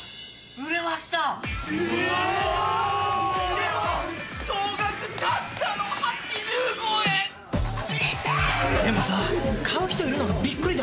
でも総額たったの８５円。でもさ買う人いるのがびっくりだよな。